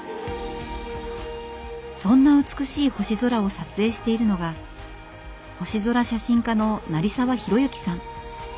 そんな美しい星空を撮影しているのが星空写真家の成澤広幸さん。